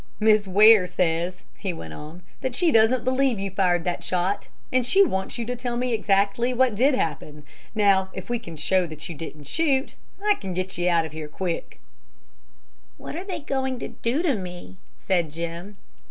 "Miss Ware says," he went on, "that she doesn't believe you fired that shot, and she wants you to tell me exactly what did happen. Now if we can show that you didn't shoot, I can get you out of here quick." "What they going to do to me?" said Jim.